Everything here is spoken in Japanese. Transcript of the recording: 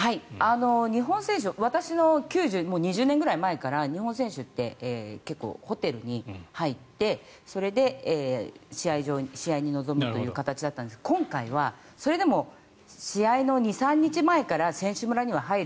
日本選手は２０年くらい前から結構ホテルに入ってそれで、試合に臨むという形だったんですが今回はそれでも試合の２３日前から選手村には入る。